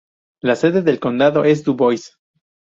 La sede del condado es Dubois.